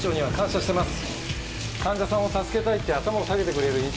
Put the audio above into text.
患者さんを助けたいって頭を下げてくれる院長